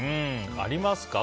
ありますか？